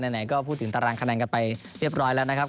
ไหนก็พูดถึงตารางคะแนนกันไปเรียบร้อยแล้วนะครับ